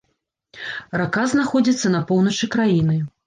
Рака знаходзіцца на поўначы краіны.